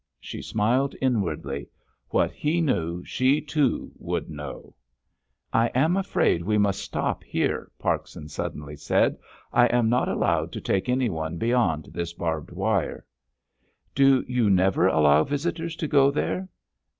She smiled inwardly. What he knew she, too, would know. "I am afraid we must stop here," Parkson suddenly said, "I am not allowed to take anyone beyond this barbed wire." "Do you never allow visitors to go there?"